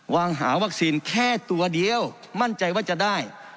วางหาวัคซีนแค่ตัวเดียวมั่นใจว่าจะได้